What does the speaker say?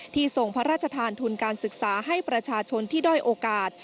ทรงพระราชทานทุนการศึกษาให้ประชาชนที่ด้อยโอกาส